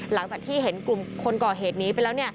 หลังจากที่เห็นกลุ่มคนก่อเหตุนี้ไปแล้ว